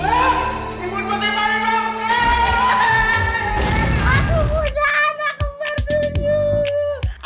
aku punya anak keempat tujuh